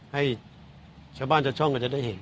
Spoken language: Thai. ให้ชาวบ้านชาวช่องก็จะได้เห็น